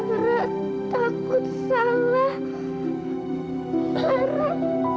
lara takut salah